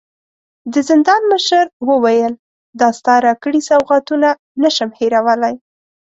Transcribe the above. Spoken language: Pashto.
د زندان مشر وويل: ستا راکړي سوغاتونه نه شم هېرولی.